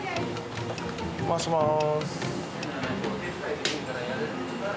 回します。